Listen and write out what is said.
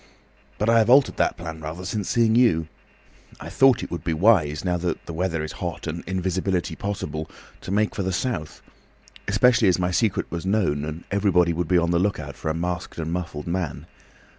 But I have altered that plan rather since seeing you. I thought it would be wise, now the weather is hot and invisibility possible, to make for the South. Especially as my secret was known, and everyone would be on the lookout for a masked and muffled man.